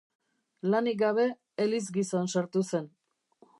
Lanik gabe, elizgizon sartu zen.